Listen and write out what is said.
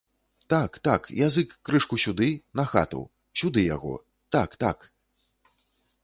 Так, так, язык крышку сюды, на хату, сюды яго, так, так.